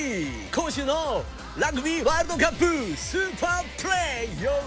今週のラグビーワールドカップスーパープレーヨウ！